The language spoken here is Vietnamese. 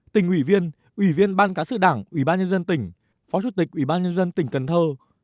tỉnh ủy viên ủy viên ban cán sự đảng ủy ban nhân dân tỉnh phó chủ tịch ủy ban nhân dân tỉnh cần thơ